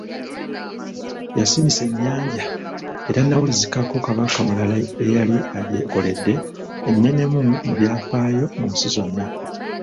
Yasimisa ennyanja, etannawulizikako Kabaka mulala eyali agyekoledde ennenemu byafaayo mu nsi zonna.